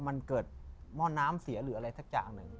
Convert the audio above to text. มันเกิดหม้อน้ำเสียหรืออะไรสักอย่างหนึ่ง